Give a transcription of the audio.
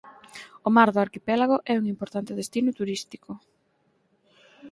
O Mar do Arquipélago é un importante destino turístico.